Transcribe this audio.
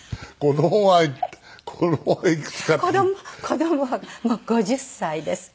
子供はもう５０歳です。